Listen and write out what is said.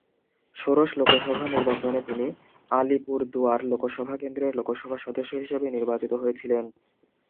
ষোড়শ লোকসভা নির্বাচনে তিনি আলিপুরদুয়ার লোকসভা কেন্দ্রের লোকসভা সদস্য হিসেবে নির্বাচিত হয়েছিলেন।